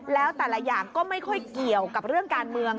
แล้วแต่ละอย่างก็ไม่ค่อยเกี่ยวกับเรื่องการเมือง